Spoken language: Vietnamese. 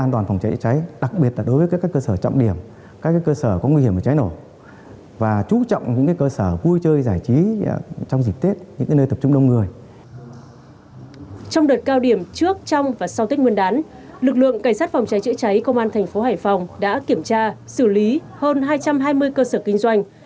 trong đợt cao điểm trước trong và sau tết nguyên đán lực lượng cảnh sát phòng cháy chữa cháy công an thành phố hải phòng đã kiểm tra xử lý hơn hai trăm hai mươi cơ sở kinh doanh